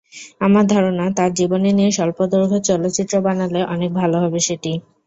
আমার ধারণা, তাঁর জীবনী নিয়ে স্বল্পদৈর্ঘ্য চলচ্চিত্র বানালে অনেক ভালো হবে সেটি।